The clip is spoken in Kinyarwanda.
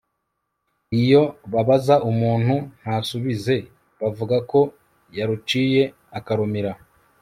iyo babaza umuntu ntasubize, bavuga ko «yaruciye akarumira